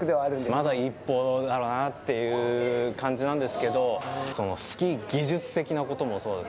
まだ一歩だなという感じなんですけど、スキー技術的なこともそうです。